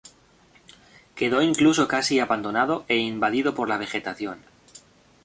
Quedó incluso casi abandonado e invadido por la vegetación.